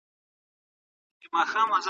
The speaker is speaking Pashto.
احمدشاه بابا په جګړه کې د حق دفاع وکړه.